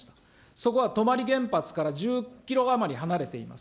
そこは泊原発から１０キロ余り離れています。